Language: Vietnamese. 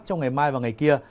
trong ngày mai và ngày kia